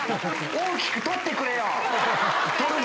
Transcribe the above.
大きく撮ってくれよ。